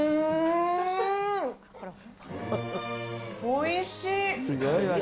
おいしい！